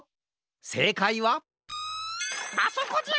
せいかいはあそこじゃ！